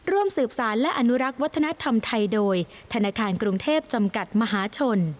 ร่วมสืบสารและอนุรักษ์วัฒนธรรมไทยโดยธนาคารกรุงเทพจำกัดมหาชน